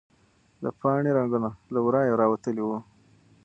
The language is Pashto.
د پاڼې رګونه له ورایه راوتلي وو.